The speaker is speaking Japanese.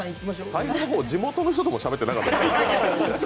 最後の方、地元の人ともしゃべってなかった。